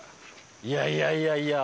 いやいやいやいや。